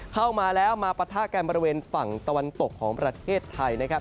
เข้ามาแล้วมาปะทะกันบริเวณฝั่งตะวันตกของประเทศไทยนะครับ